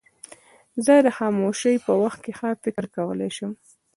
زه د خاموشۍ په وخت کې ښه فکر کولای شم.